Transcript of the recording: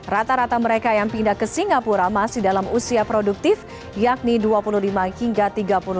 rata rata mereka yang pindah ke singapura masih dalam usia produktif yakni dua puluh lima hingga tiga puluh enam tahun